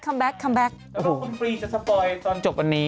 แล้วเราคุณปรีจะสปอยตอนจบอันนี้